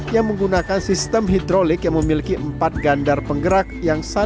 yang menggunakan sistem hidrolik yang memiliki empat gandar penggerak yang sama